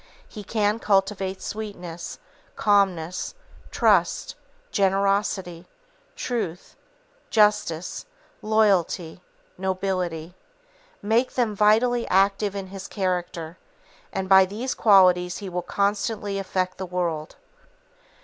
He can cultivate sweetness, calmness, trust, generosity, truth, justice, loyalty, nobility, make them vitally active in his character, and by these qualities he will constantly affect the world.